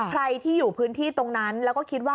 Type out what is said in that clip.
ใครที่อยู่พื้นที่ตรงนั้นแล้วก็คิดว่า